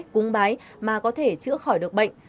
cũng bái mà có thể chữa khỏi được bệnh